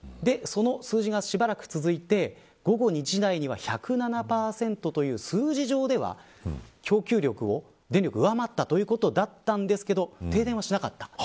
その数字がしばらく続いて午後２時台には１０７％という数字上では供給力を上回ったということでしたが停電をしなかった。